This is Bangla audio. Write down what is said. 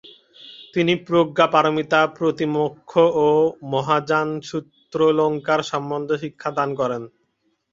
তিনি প্রজ্ঞাপারমিতা, প্রতিমোক্ষ ও মহাযানসূত্রালঙ্কার সম্বন্ধে শিক্ষা দান করেন।